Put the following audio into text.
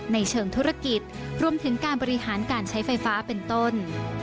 ในเชิงธุรกิจรวมถึงการบริหารการใช้ไฟฟ้าเป็นต้น